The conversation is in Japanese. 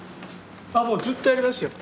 あもうずっとやりますよ。